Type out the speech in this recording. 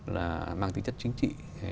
là mang tính chất chính trị